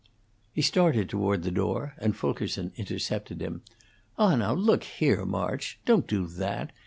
He started toward the door, and Fulkerson intercepted him. "Ah, now, look here, March! Don't do that!